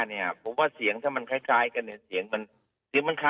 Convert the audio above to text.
สิกว่าเสียงมันคล้ายกัน